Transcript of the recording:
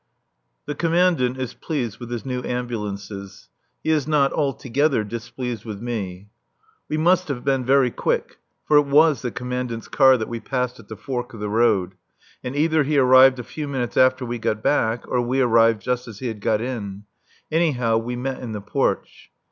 The Commandant is pleased with his new ambulances. He is not altogether displeased with me. We must have been very quick. For it was the Commandant's car that we passed at the fork of the road. And either he arrived a few minutes after we got back or we arrived just as he had got in. Anyhow, we met in the porch.